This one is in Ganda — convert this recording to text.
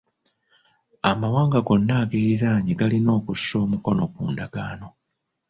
Amawanga gonna ageeriraanye galina okusa omukono ku ndagaano.